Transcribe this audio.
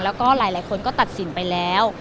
แล้วก็หลายคนก็ตัดสินไปแล้ว